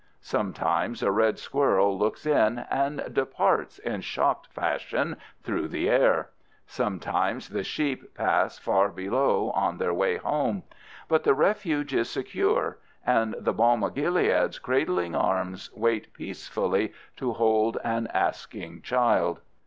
Sometimes a red squirrel looks in and departs in shocked fashion through the air. Sometimes the sheep pass far below on their way home. But the refuge is secure, and the balm o' Gilead's cradling arms wait peacefully to hold an asking child.